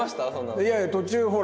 いやいや途中ほら。